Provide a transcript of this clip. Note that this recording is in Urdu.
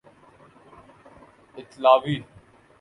اطالوی